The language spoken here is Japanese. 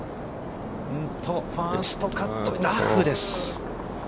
ファーストカットラフです。